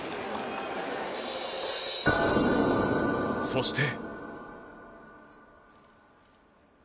そして。